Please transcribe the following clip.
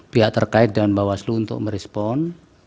pihak terkait dan bawah seluruh untuk merespon